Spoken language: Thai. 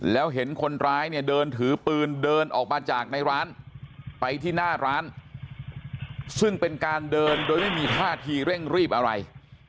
แล้วเห็นคนร้ายเนี่ยเดินถือปืนเดินออกมาจากในร้านไปที่หน้าร้านซึ่งเป็นการเดินโดยไม่มีท่าทีเร่งรีบอะไร